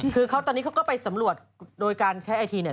คือเขาตอนนี้เขาก็ไปสำรวจโดยการใช้ไอทีเนี่ย